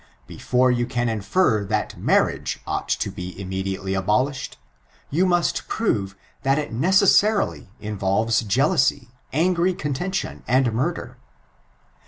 Before you can infer, that marriage ought to be immediately abolished, you must prove that it neeasarily involves jealousy, angry contention, and murder.